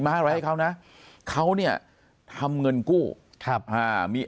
ปากกับภาคภูมิ